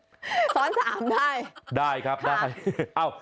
สอนถามได้ได้ครับเอ้า